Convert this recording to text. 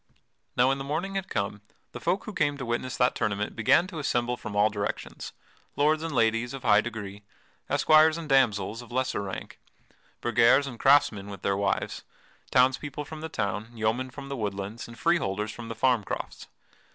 Now when the morning had come, the folk who came to witness that tournament began to assemble from all directions lords and ladies of high degree, esquires and damsels of lesser rank, burghers and craftsmen with their wives, townspeople from the town, yeomen from the woodlands, and freeholders from the farm crofts.